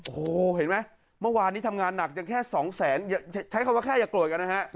โอ้โหเห็นไหมเมื่อวานนี้ทำงานหนักยังแค่สองแสนใช้คำว่าแค่อย่าโกรธกันนะฮะ